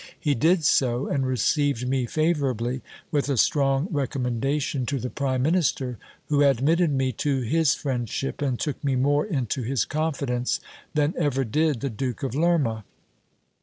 He did so, and received me favourably, with a strong recommendation to the prime mjiister, who admitted me to his friendship, and took me more into his conn j dence than ever did the Duke of Lerma.